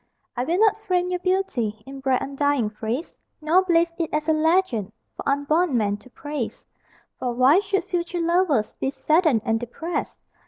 I will not frame your beauty In bright undying phrase, Nor blaze it as a legend For unborn men to praise For why should future lovers Be saddened and depressed?